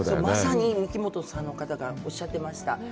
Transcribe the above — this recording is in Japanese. まさにミキモトさんの方がおっしゃってました。